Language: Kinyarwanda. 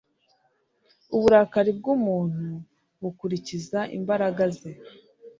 uburakari bw'umuntu bukurikiza imbaraga ze